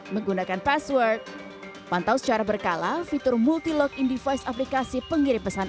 menggunakan password pantau secara berkala fitur multi login device aplikasi pengirim pesan anda